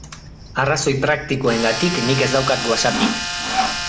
Arrazoi praktikoengatik nik ez daukat WhatsAppik.